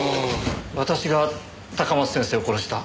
私が高松先生を殺した。